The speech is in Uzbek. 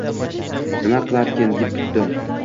Nima qilarkin, deb kutdim.